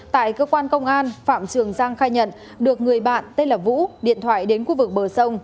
tại cơ quan công an phạm trường giang khai nhận được người bạn tên là vũ điện thoại đến khu vực bờ sông